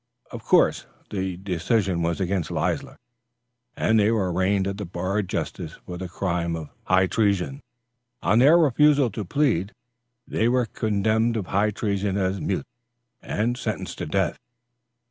Of course the decision was against Leisler, and they were arraigned at the bar of justice for the crime of high treason. On their refusal to plead, they were condemned of high treason as mutes, and sentenced to death.